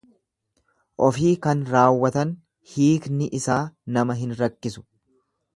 Ofii kan raawwatan hiiknisaa nama hin rakkisu.